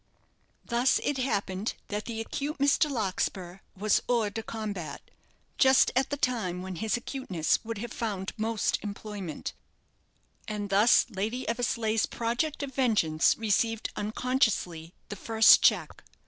Thus it happened that the acute Mr. Larkspur was hors de combat just at the time when his acuteness would have found most employment, and thus Lady Eversleigh's project of vengeance received, unconsciously, the first check.